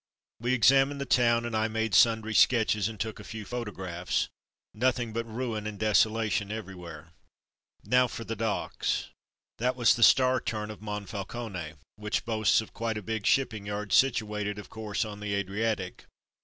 We examined the town and I made sundry sketches and took a few photographs. Nothing but ruin and desolation ever3nA^here. IS 226 From Mud to Mufti Now for the docks; that was the "star turn'^ of Monfalcone, which boasts of quite a big shipping yard situated, of course, on the Adriatic.